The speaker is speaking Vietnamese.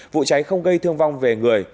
vụ cháy không gây thương vong về người